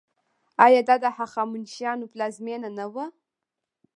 آیا دا د هخامنشیانو پلازمینه نه وه؟